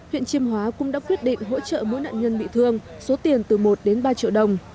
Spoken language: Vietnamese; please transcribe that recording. huyện chiêm hóa cũng đã quyết định hỗ trợ mỗi nạn nhân bị thương số tiền từ một đến ba triệu đồng